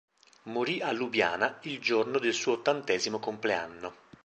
Morì a Lubiana il giorno del suo ottantesimo compleanno.